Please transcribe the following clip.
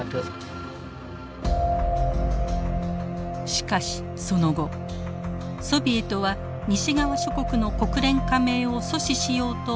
しかしその後ソビエトは西側諸国の国連加盟を阻止しようと拒否権を連発。